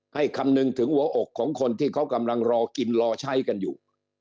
คำนึงถึงหัวอกของคนที่เขากำลังรอกินรอใช้กันอยู่